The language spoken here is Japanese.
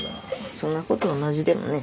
そんなこと同じでもね